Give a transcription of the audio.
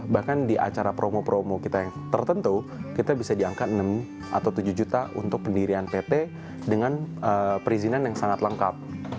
bahkan di acara promo promo kita yang tertentu kita bisa diangkat enam atau tujuh juta untuk pendirian pt dengan perizinan yang sangat lengkap